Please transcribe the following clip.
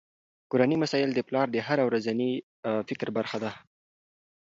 کورني مسایل د پلار د هره ورځني فکر برخه ده.